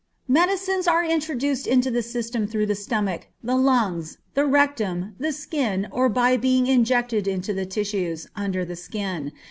Medicines are introduced into the system through the stomach, the lungs, the rectum, the skin, or by being injected into the tissues, under the skin.